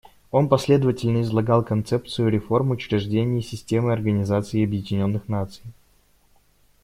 Он последовательно излагал концепцию реформ учреждений системы Организации Объединенных Наций.